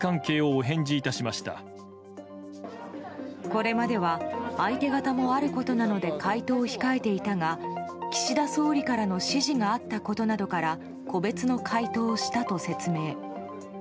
これまでは相手方もあることなので回答を控えていたが岸田総理からの指示があったことなどから個別の回答をしたと説明。